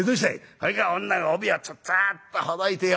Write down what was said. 「それから女が帯をつつっとほどいてよ」。